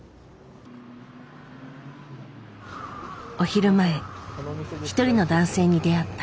お昼前一人の男性に出会った。